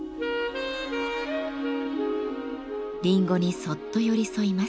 リンゴにそっと寄り添います。